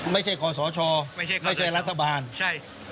ไม่ใช่กศไม่ใช่รัฐบาลไม่ใช่กศใช่